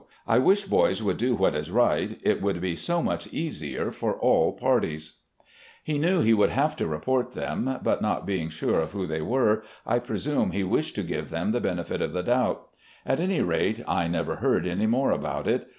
I wish boys would do what is right, it would be so much easier for all parties !" He knew he would have to report them, but, not being sure of who they were, I presume he wished to give them the benefit of the doubt. At any rate, I never heard any more about it.